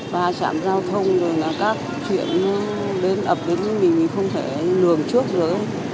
và trạm giao thông rồi là các chuyện đến ập đến mình thì không thể lường trước rồi